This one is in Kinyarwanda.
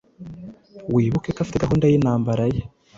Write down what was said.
Wibuke ko afite gahunda y’intambara ye.